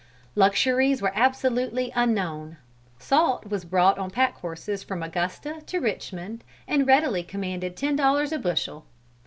"Luxuries were absolutely unknown. Salt was brought on pack horses from Augusta and Richmond and readily commanded ten dollars a bushel.